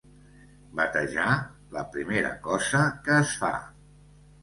Batejar, la primera cosa que es fa.